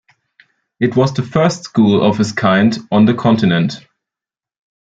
It was the first school of its kind on the continent.